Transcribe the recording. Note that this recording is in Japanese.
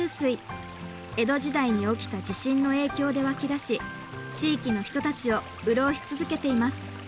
江戸時代に起きた地震の影響で湧き出し地域の人たちを潤し続けています。